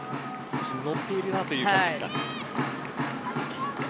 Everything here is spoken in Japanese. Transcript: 乗っているなという感じですかね。